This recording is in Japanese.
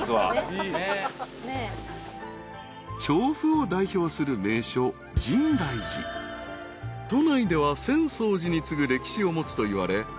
［調布を代表する名所］［都内では浅草寺に次ぐ歴史を持つといわれ］